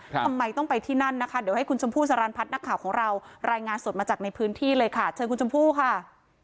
ทำไมต้องไปที่นั่นนะคะเดี๋ยวให้คุณชมพู่สรรพัฒน์นักข่าวของเรารายงานสดมาจากในพื้นที่เลยค่ะเชิญคุณชมพู่ค่ะ